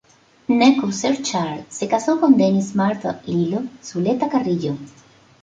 Gnecco Cerchar se casó con Dennis Martha "Lilo" Zuleta Carrillo.